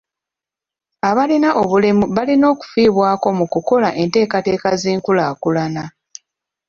Abalina obulemu balina okufiibwako mu kukola enteekateeka z'enkulaakulana.